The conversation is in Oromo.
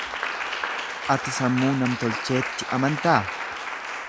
Ati sammuu nam-tolcheetti amantaa?